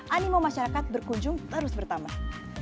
animo masyarakat berkunjung terus bertambah